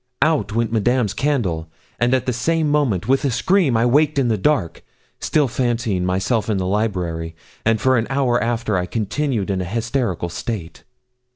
Out went Madame's candle, and at the same moment, with a scream, I waked in the dark still fancying myself in the library; and for an hour after I continued in a hysterical state.